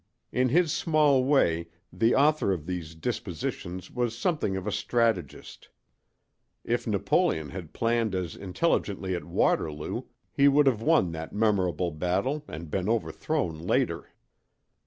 In his small way the author of these dispositions was something of a strategist; if Napoleon had planned as intelligently at Waterloo he would have won that memorable battle and been overthrown later.